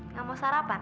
gak mau sarapan